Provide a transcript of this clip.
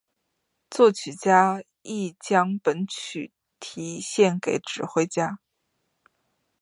作曲家亦将本曲题献给指挥家。